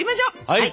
はい！